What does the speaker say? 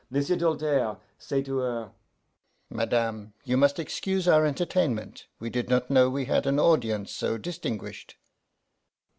M'sieu' Doltaire say to her, 'Madame, you must excuse our entertainment; we did not know we had an audience so distinguished.